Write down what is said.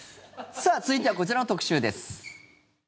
続いてはこちらの特集です。